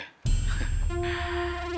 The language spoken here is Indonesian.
tak sabar ya